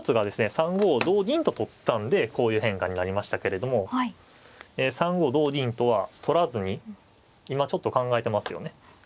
３五同銀と取ったんでこういう変化になりましたけれども３五同銀とは取らずに今ちょっと考えてますよね。